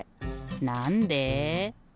なんで？